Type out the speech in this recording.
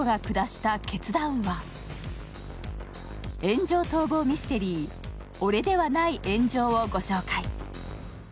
炎上逃亡ミステリー、「俺ではない炎上」をご紹介。